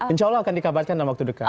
insya allah akan dikabatkan dalam waktu dekat